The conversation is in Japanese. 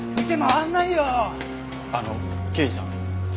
あの刑事さん。